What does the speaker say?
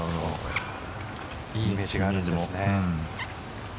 いいイメージがあるんですね。